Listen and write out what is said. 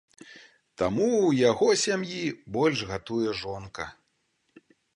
Таму ў яго сям'і больш гатуе жонка.